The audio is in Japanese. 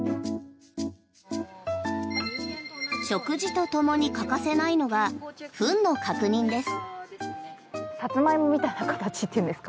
食事とともに欠かせないのがフンの確認です。